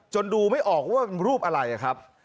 ดูไม่ออกว่าเป็นรูปอะไรครับ